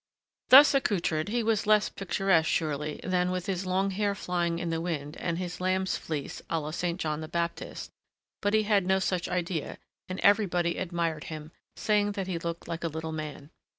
Thus accoutred, he was less picturesque, surely, than with his long hair flying in the wind and his lamb's fleece à la Saint John the Baptist; but he had no such idea, and everybody admired him, saying that he looked like a little man.